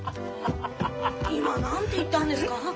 今何て言ったんですか？